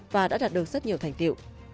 và đã đạt được rất nhiều thành tiệu